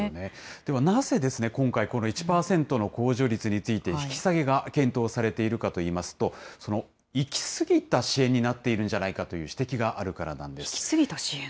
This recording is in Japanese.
ではなぜ、今回、この１％の控除率について引き下げが検討されているかというと、行き過ぎた支援になっているんじゃないかという指摘があるからな行き過ぎた支援？